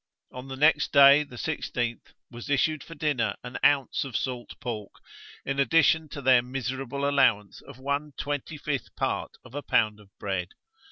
On the next day, the 16th, was issued for dinner an ounce of salt pork, in addition to their miserable allowance of one twenty fifth part of a pound of bread.